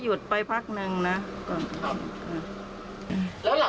หรือว่าปิดร้านนานแล้วแหละ